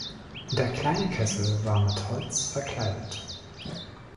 Der kleine Kessel war mit Holz verkleidet.